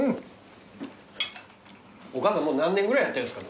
お母さん何年ぐらいやってんですか